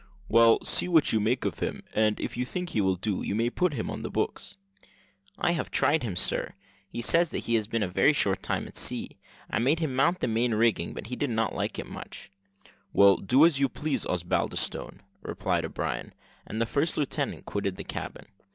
"Well, see what you make of him: and if you think he will do, you may put him on the books." "I have tried him, sir. He says that he has been a short time at sea. I made him mount the main rigging, but he did not much like it." "Well, do as you please, Osbaldistone," replied O'Brien. And the first lieutenant quitted the cabin.